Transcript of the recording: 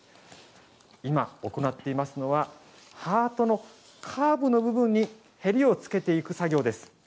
今行っていますのはハートのカーブの部分に縁をつけていく作業です。